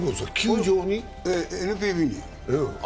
ＮＰＢに。